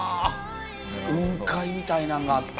雲海みたいなのがあって」